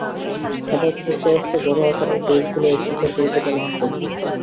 আপাতত যুক্তরাষ্ট্রে বড় আকারের পেজগুলোয় এ ফিচার পরীক্ষা চালাচ্ছে ফেসবুক।